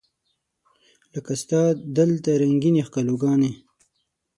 لکه ستا دلته رنګینې ښکالو ګانې